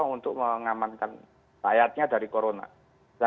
untuk mengamankan rakyatnya dari corona